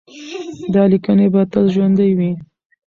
دا لیکنې به تل ژوندۍ وي.